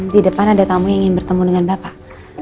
di depan ada tamu yang ingin bertemu dengan bapak